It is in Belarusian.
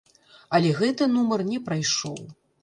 Але гэты нумар не прайшоў.